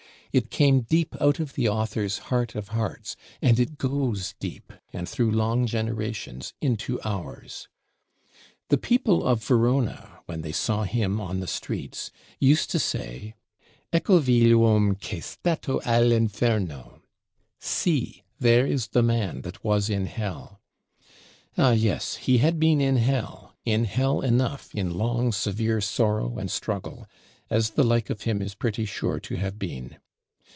It came deep out of the author's heart of hearts; and it goes deep, and through long generations, into ours. The people of Verona, when they saw him on the streets, used to say, "Eccovi l' nom ch' è stato all' Inferno" (See, there is the man that was in Hell). Ah yes, he had been in Hell; in Hell enough, in long severe sorrow and struggle; as the like of him is pretty sure to have been.